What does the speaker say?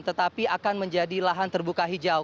tetapi akan menjadi lahan terbuka hijau